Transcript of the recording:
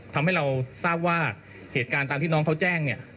ทำให้เราทราบว่าเหตุการณ์ตามที่น้องเขาแจ้งเนี่ย